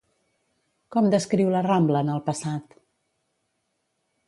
Com descriu la Rambla en el passat?